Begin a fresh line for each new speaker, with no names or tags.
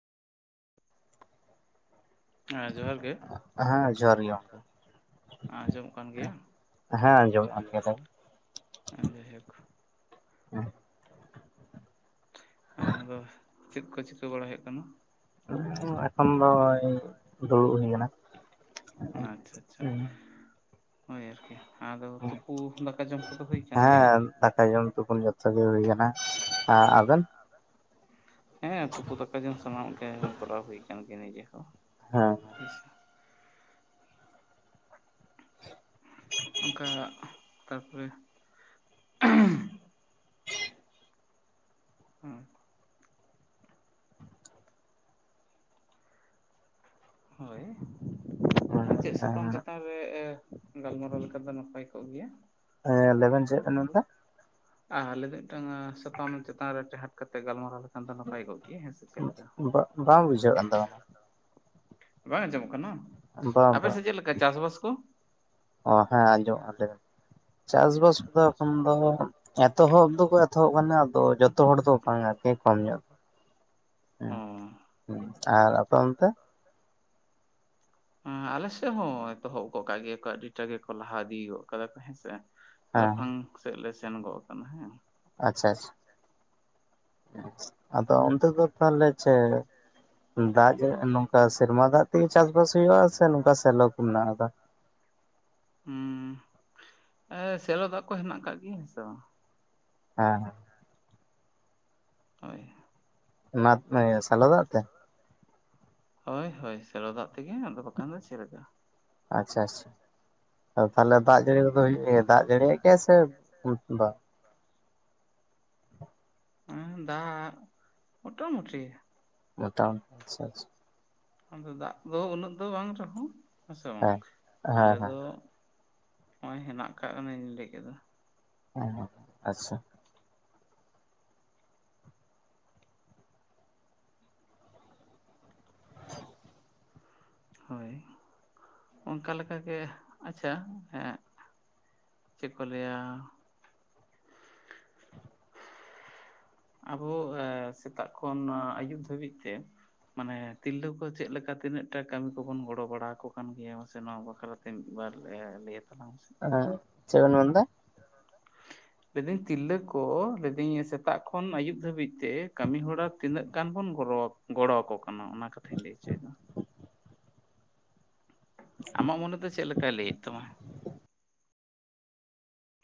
ᱦᱮᱸ ᱡᱚᱦᱟᱨ ᱜᱮ
ᱦᱮᱸ ᱡᱚᱦᱟᱨ ᱜᱮ ᱜᱚᱢᱠᱮ,
ᱟᱸᱡᱚᱢᱚᱜ ᱠᱟᱱ ᱜᱮᱭᱟ
ᱦᱮᱸ ᱟᱸᱡᱚᱢᱚᱜ ᱠᱟᱱ ᱜᱮᱫᱚ
ᱦᱮᱸ ᱡᱟᱭᱦᱳᱠ
[unintelligible]
ᱟᱫᱚ ᱪᱮᱫ ᱠᱚ ᱪᱤᱠᱟᱹ ᱵᱟᱲᱟᱭ ᱦᱩᱭᱩᱜ ᱠᱟᱱᱟ?
[unintelligible] ᱮᱠᱷᱚᱱ ᱫᱚᱭ ᱫᱩᱲᱩᱵ ᱦᱩᱭ ᱠᱟᱱᱟ᱾
ᱟᱪᱪᱷᱟ, ᱟᱪᱪᱷᱟ ᱦᱳᱭ ᱟᱨᱠᱤ ᱟᱫᱚ ᱛᱩᱯᱩ ᱫᱟᱠᱟ ᱡᱚᱢ ᱠᱚᱫᱚ ᱦᱩᱭ ᱠᱟᱱ ᱜᱮᱭᱟ
ᱦᱮᱸ ᱫᱟᱠᱟ ᱡᱚᱢ ᱛᱚᱯᱩᱱ ᱡᱚᱛᱚ ᱜᱮ ᱦᱩᱭ ᱠᱟᱱᱟ᱾ ᱟᱜ ᱟᱵᱮᱱ?
ᱦᱮᱸ ᱛᱩᱯᱩ ᱫᱟᱠᱟ ᱡᱚᱢ ᱥᱟᱱᱟᱢ ᱜᱮ ᱠᱚᱨᱟᱣ ᱦᱩᱭᱠᱟᱱ ᱜᱮᱭᱟ ᱱᱤᱡᱮ ᱠᱚ᱾
ᱦᱮᱸ ᱾
ᱦᱳᱭᱥᱟ, ᱚᱝᱠᱟ ᱛᱟᱨᱯᱚᱨᱮ ᱦᱮᱸ ᱾ ᱦᱳᱭ ᱟᱨ ᱪᱮᱫ ᱥᱟᱛᱟᱢ ᱪᱮᱛᱟᱱ ᱨᱮ ᱜᱟᱞᱢᱟᱨᱟᱣ ᱞᱮᱠᱷᱟᱱ ᱫᱚ ᱱᱟᱯᱟᱭ ᱠᱚᱜ ᱜᱮᱭᱟ?
ᱮᱸ ᱞᱟᱹᱭᱵᱮᱱ ᱪᱮᱜ ᱵᱮᱱ ᱢᱮᱱᱫᱟ?
ᱟᱦ ᱢᱤᱫᱴᱟᱝ ᱥᱟᱛᱟᱢ ᱪᱮᱛᱟᱱ ᱨᱮ ᱴᱮᱦᱟᱴ ᱠᱟᱛᱮ ᱜᱟᱞᱢᱟᱨᱟᱣ ᱞᱮᱠᱷᱟᱱ ᱫᱚ ᱱᱟᱯᱟᱭ ᱠᱚᱜ ᱜᱮ
ᱵᱟᱝ ᱵᱩᱡᱷᱟᱹᱜ ᱠᱟᱱ ᱛᱟᱵᱮᱱᱟ,
ᱵᱟᱝ ᱟᱸᱡᱚᱢᱚᱜ ᱠᱟᱱᱟ?
ᱵᱟᱝ
ᱟᱯᱮ
ᱵᱟᱝ
ᱥᱮᱫ ᱪᱮᱫ ᱞᱮᱠᱟ ᱪᱟᱥᱵᱟᱥ ᱠᱚ
ᱚ ᱦᱮᱸ ᱟᱸᱡᱚᱢᱚᱜ ᱠᱟᱱᱟ ᱞᱟᱹᱭ ᱵᱮᱱ ᱪᱟᱥᱵᱟᱥ ᱮᱠᱷᱚᱱ ᱫᱚ ᱮᱛᱚᱦᱚᱵ ᱫᱚᱠᱚ ᱮᱛᱚᱦᱚᱵ ᱠᱟᱱᱟ ᱟᱫᱚ ᱡᱚᱛ ᱛᱚᱲ ᱫᱚ ᱵᱟᱝᱟ [unintelligible] ᱠᱚᱢ ᱧᱚᱜ ᱫᱚ
ᱦᱩᱸ ᱾
ᱦᱚ ᱟᱨ ᱟᱯᱮ ᱚᱱᱛᱮ
ᱦᱮᱸ ᱟᱞᱮᱥᱮᱫ ᱦᱚᱸ ᱮᱛᱚᱦᱚᱵ ᱜᱚ ᱠᱟᱜ ᱜᱮᱭᱟ ᱠᱚ ᱟᱹᱰᱤᱴᱟᱜ ᱜᱮᱠᱚ ᱞᱟᱦᱟ ᱤᱫᱤ ᱜᱚᱜ ᱠᱟᱫᱟ ᱠᱚ ᱦᱮᱸᱥᱮ
ᱦᱮᱸ
ᱞᱟᱯᱷᱟᱝ ᱥᱮᱫ ᱞᱮ ᱥᱮᱱ ᱜᱚᱜ ᱟᱠᱟᱱᱟ ᱦᱮᱸ
ᱟᱪᱪᱷᱟ, ᱪᱪᱷᱟ ᱾ ᱟᱫᱚ ᱚᱱᱛᱮ ᱫᱚ ᱛᱟᱦᱚᱞᱮ ᱪᱮ ᱫᱟᱜ [unintelligible] ᱱᱚᱝ ᱥᱮᱨᱢᱟ ᱫᱟᱜ ᱛᱮᱜᱮ ᱪᱟᱥ ᱵᱟᱟᱥ ᱦᱩᱭᱩᱜᱼᱟ ᱥᱮ ᱱᱚᱝᱠᱟ ᱥᱮᱞᱚ ᱠᱚ ᱢᱮᱱᱟᱜ ᱟᱠᱟᱫᱟ ᱾
ᱦᱩᱸ ᱥᱮᱞᱚ ᱫᱟᱜ ᱠᱚ ᱦᱮᱱᱟᱜ ᱠᱟᱜ ᱜᱮᱭᱟ ᱦᱮᱸᱥᱮ ᱵᱟᱝ
ᱦᱮᱸ ᱾
ᱦᱳᱭ ᱾
ᱚᱱᱟ ᱥᱟᱞᱳ ᱫᱟᱜ ᱛᱮ?
ᱦᱳᱭ ᱦᱳᱭ ᱥᱮᱞᱚ ᱫᱟᱜ ᱛᱮᱜᱮ ᱟᱫᱚ ᱵᱟᱠᱷᱟᱱ ᱫᱚ ᱪᱮᱫ ᱞᱮᱠᱟ
ᱟᱪᱪᱷᱟ ᱟᱪᱪᱷᱟ ᱛᱟᱦᱚᱞᱮ ᱫᱟᱜ ᱡᱟᱹᱲᱤᱫᱚ ᱦᱩᱭᱩᱜ ᱜᱮᱭᱟ ᱫᱟᱜ ᱡᱟᱹᱲᱤᱭᱟᱜ ᱜᱮᱭᱟ ᱥᱮ ᱵᱟᱝ
ᱦᱮᱸ ᱫᱟᱜ ᱢᱳᱚᱴᱟᱟᱢᱩᱴᱤ
ᱢᱚᱴᱟᱢ ᱟᱪᱪᱷᱟᱷᱟ
ᱟᱫᱚ ᱫᱟᱜ ᱫᱚ ᱩᱱᱟᱹᱜ ᱫᱚ ᱵᱟᱝ ᱨᱮᱦᱚᱸ ᱦᱮᱸᱥᱮ ᱵᱟᱝ
ᱦᱮᱸ
ᱟᱞᱮ
ᱦᱮᱸ
ᱫᱚ
ᱦᱮᱸ
ᱦᱚᱜᱚᱭ ᱦᱮᱱᱟᱜ ᱠᱟᱜᱼᱟ ᱟᱹᱧ ᱞᱟᱹᱭ ᱠᱮᱫᱚ
ᱦᱚᱸ ᱟᱪᱪᱷᱟ
ᱦᱳᱭ ᱚᱱᱠᱟ ᱞᱮᱠᱟᱟᱜ ᱜᱮ ᱟᱪᱪᱷᱟ ᱮᱸ ᱪᱮᱫ ᱠᱚ ᱞᱟᱹᱭᱟᱹ ᱟᱵᱚ ᱥᱮᱛᱟᱜ ᱠᱷᱚᱱ ᱟᱹᱭᱩᱵ ᱫᱷᱟᱹᱵᱤᱡ ᱛᱮ ᱢᱟᱱᱮ ᱛᱤᱨᱞᱟᱹ ᱠᱚ ᱪᱮᱫ ᱞᱮᱠᱟ ᱛᱤᱱᱟᱹᱜ ᱴᱟ ᱠᱟᱹᱢᱤ ᱠᱚᱵᱚᱱ ᱜᱚᱲᱚ ᱵᱟᱲᱟ ᱟᱠᱚ ᱠᱟᱱ ᱜᱮᱭᱟ ᱢᱟᱥᱮ ᱱᱚᱣᱟ ᱵᱟᱠᱷᱨᱟᱛᱮ ᱢᱤᱫ ᱵᱟᱨ ᱞᱮ ᱞᱟᱹᱭᱟ ᱛᱟᱞᱟᱝ ᱢᱮ ᱥᱮ
ᱦᱮᱸ ᱪᱮᱜ ᱵᱮᱱ ᱢᱮᱱᱫᱟᱹ
[inaudible] [unintelligible] ᱞᱫᱟᱹᱧ ᱛᱤᱨᱞᱟᱹ ᱠᱚ ᱞᱟᱹᱭᱫᱟᱹᱤᱧ ᱥᱮᱛᱟᱜ ᱠᱷᱚᱱ ᱟᱹᱭᱩᱵ ᱫᱷᱟᱹᱵᱤᱡ ᱛᱮ ᱠᱟᱹᱢᱤ ᱦᱚᱨᱟ ᱛᱤᱱᱟᱹᱜ ᱜᱟᱱ ᱵᱚᱱ ᱜᱚᱨᱚᱣᱟ ᱠᱚ ᱜᱚᱲᱚ ᱟᱠᱚ ᱠᱟᱱᱟ ᱚᱱᱟ ᱠᱟᱛᱷᱟᱧ ᱞᱟᱹᱭ ᱚᱪᱚᱭᱮᱫᱟ ᱟᱢᱟᱜ ᱢᱚᱱᱮ ᱫᱚ ᱪᱮᱫ ᱞᱮᱠᱟᱭ ᱞᱟᱹᱭᱮᱫ ᱛᱟᱢᱟ